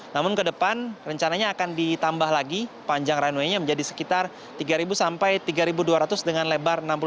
namun ke depan rencananya akan ditambah lagi panjang runway nya menjadi sekitar tiga sampai tiga dua ratus dengan lebar enam puluh lima